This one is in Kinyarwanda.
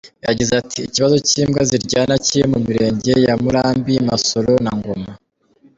Yagize ati “Ikibazo cy’imbwa ziryana kiri mu mirenge ya Murambi, Masoro na Ngoma.